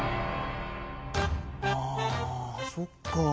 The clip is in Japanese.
あそっか。